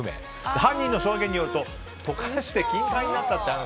犯人の証言によると溶かして金塊になっちゃったと。